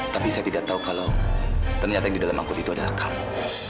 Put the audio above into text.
tapi saya tidak tahu kalau ternyata yang di dalam angkut itu adalah kamu